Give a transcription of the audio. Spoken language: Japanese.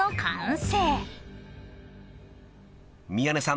［宮根さん